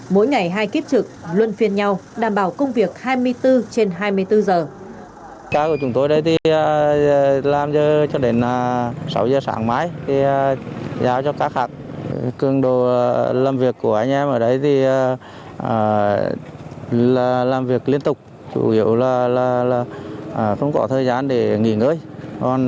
mỗi ngày hai kiếp trực luôn phiên nhau đảm bảo công việc hai mươi bốn trên hai mươi bốn giờ